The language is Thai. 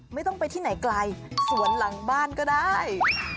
ไม่ต้องไปที่ไหนไกลสวนหลังบ้านก็ได้